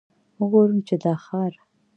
وګورم چې دا ښار.